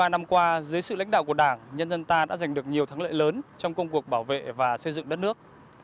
bốn mươi năm qua dưới sự lãnh đạo của đảng nhân dân ta đã giành được nhiều thắng lợi lớn trong công cuộc bảo vệ và xây dựng đất nước